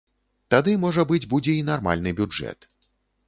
Тады, можа быць, будзе і нармальны бюджэт.